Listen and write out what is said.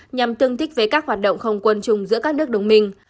nhằm tương thích với các hoạt động không quân chung giữa các nước đồng minh